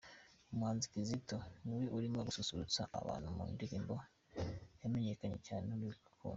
Umuhanzi Kitoko niwe urimo gususurutsa abantu mu ndirimbo yamenyekanye cyane ’Urukundo’.